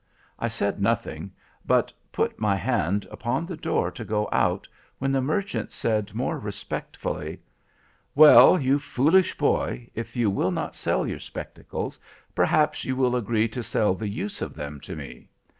"I said nothing, but put my hand upon the door to go out, when the merchant said more respectfully,— "'Well, you foolish boy, if you will not sell your spectacles, perhaps you will agree to sell the use of them to me.